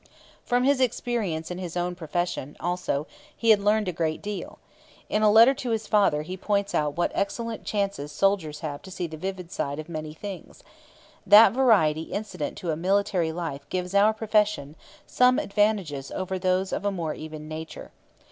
From his experience in his own profession, also, he had learned a good deal. In a letter to his father he points out what excellent chances soldiers have to see the vivid side of many things: 'That variety incident to a military life gives our profession some advantages over those of a more even nature.